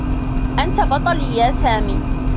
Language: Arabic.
أنت بطلي يا سامي.